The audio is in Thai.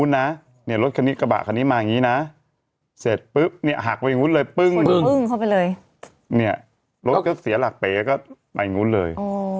เนี่ยรถก็เสียหลักเป๋ก็ไปนู้นเลย